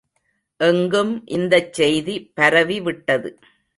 எங்கும் இந்தச் செய்தி பரவிவிட்டது.